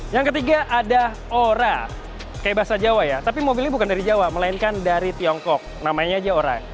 yang ketiga ada ora kayak bahasa jawa ya tapi mobilnya bukan dari jawa melainkan dari tiongkok namanya aja ora